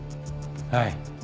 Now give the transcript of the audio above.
はい。